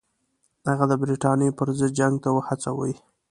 هغه د برټانیې پر ضد جنګ ته وهڅوي.